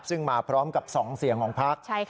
ซึ่งมาพร้อมกับ๒เสียงของพัก